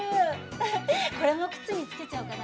フフッこれも靴に付けちゃおうかな。